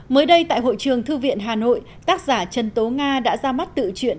mới đây tại hội trường thư viện hà nội tác giả trần tố nga đã ra mắt tự truyện